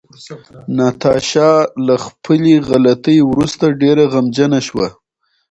ناتاشا له خپلې غلطۍ وروسته ډېره غمجنه شوه.